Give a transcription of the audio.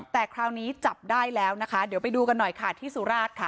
แต่คราวนี้จับได้แล้วนะคะเดี๋ยวไปดูกันหน่อยค่ะที่สุราชค่ะ